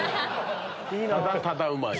ただただうまい。